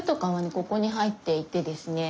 ここに入っていてですね